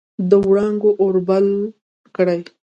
د وړانګو اور بل کړي